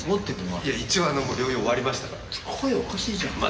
一応、療養終わりましたから声、おかしいじゃん。